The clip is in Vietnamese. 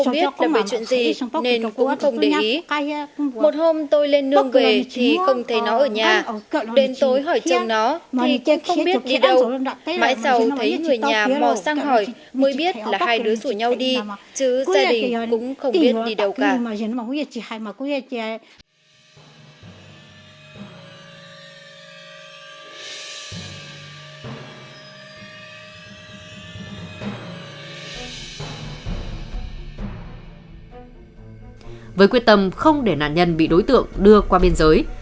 với quyết tâm không để nạn nhân bị đối tượng đưa qua biên giới